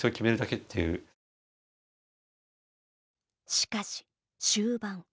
しかし終盤。